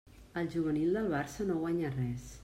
El juvenil del Barça no guanya res.